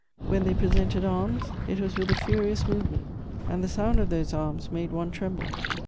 When they presented arms, it was with a furious movement, and the sound of those arms made one tremble.